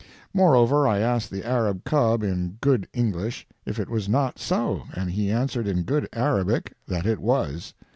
Moreover, I asked the Arab cub in good English if it was not so, and he answered in good Arabic that it was.